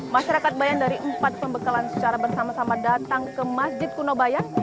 masyarakat bayan dari empat pembekalan secara bersama sama datang ke masjid kuno bayan